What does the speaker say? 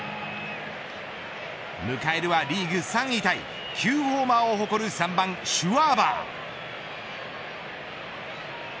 迎えるはリーグ３位タイ９ホーマーを誇る３番シュワバー。